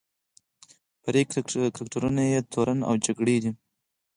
فرعي کرکټرونه یې تورن او جګړن دي.